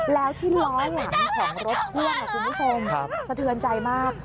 แล้วที่ล้อหลังของรถพ่วงคุณผู้ชมสะเทือนใจมาก